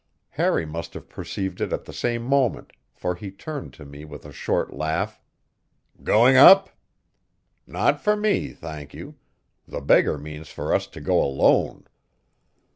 Harry must have perceived it at the same moment, for he turned to me with a short laugh: "Going up? Not for me, thank you. The beggar means for us to go alone."